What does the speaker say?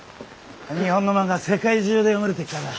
日本の漫画は世界中で読まれてっからな